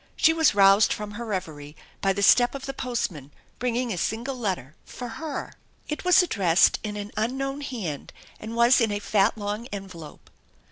She was roused from her reverie by the step of the post man bringing a single letter, for her ! It was addressed in an unknown hand and was in a fat long envelope.